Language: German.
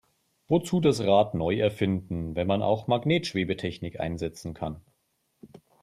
Wozu das Rad neu erfinden, wenn man auch Magnetschwebetechnik einsetzen kann?